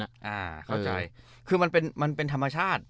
อ่าเข้าใจคือมันเป็นธรรมชาติ